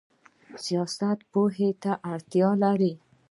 سیاست پوهې ته اړتیا لري؟